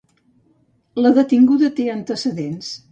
La detinguda té antecedents.